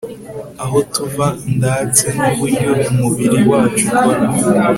aho tuva ndatse n uburyo umubiri wacu ukora